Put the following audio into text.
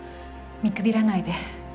見くびらないで。